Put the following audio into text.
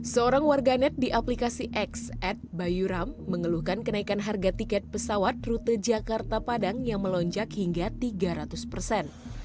seorang warganet di aplikasi x at bayuram mengeluhkan kenaikan harga tiket pesawat rute jakarta padang yang melonjak hingga tiga ratus persen